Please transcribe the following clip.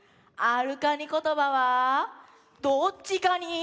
「あるカニことば」はどっちカニ？